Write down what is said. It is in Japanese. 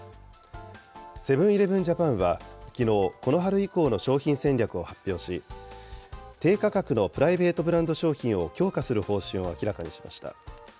セブン−イレブン・ジャパンはきのう、この春以降の商品戦略を発表し、低価格のプライベートブランド商品を強化する方針を明らかにしました。